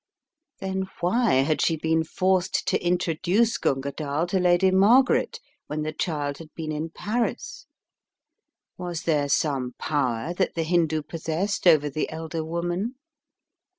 Then why had she been forced to introduce Gunga Dall to Lady Margaret when the child had been in Paris? Was there some power that the Hindoo pos sessed over the elder woman?